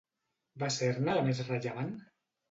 Va ser-ne la més rellevant?